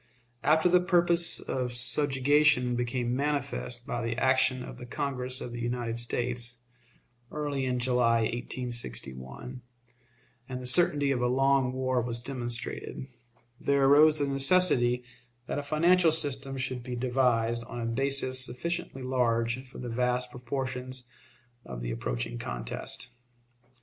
After the purpose of subjugation became manifest by the action of the Congress of the United States, early in July, 1861, and the certainty of a long war was demonstrated, there arose the necessity that a financial system should be devised on a basis sufficiently large for the vast proportions of the approaching contest.